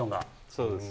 そうです。